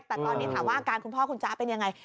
แต่ตอนนี้ถามว่าอาการคุณพ่อคุณจ๊ะเป็นยังไง